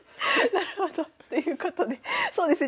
なるほど。ということでそうですね